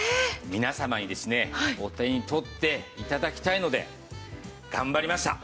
皆様にですねお手に取って頂きたいので頑張りました。